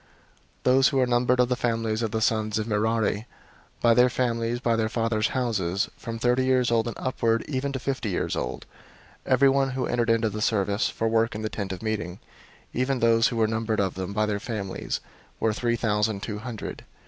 004:042 Those who were numbered of the families of the sons of Merari, by their families, by their fathers' houses, 004:043 from thirty years old and upward even to fifty years old, everyone who entered into the service, for work in the Tent of Meeting, 004:044 even those who were numbered of them by their families, were three thousand two hundred.